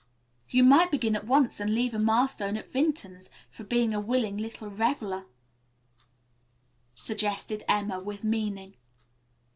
"You might begin at once and leave a milestone at Vinton's, for being a willing, little reveler," suggested Emma with meaning.